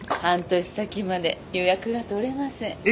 半年先まで予約が取れません。